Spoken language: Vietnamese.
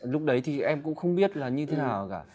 lúc đấy thì em cũng không biết là như thế nào cả